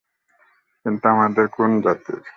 কিন্তু আমাদের কোনো জাতির?